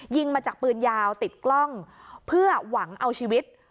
ยิงมาจากปืนยาวติดกล้องเพื่อหวังเอาชีวิต